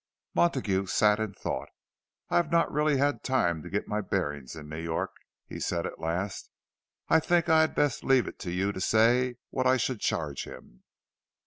Montague sat in thought. "I have not really had time to get my bearings in New York," he said at last. "I think I had best leave it to you to say what I should charge him."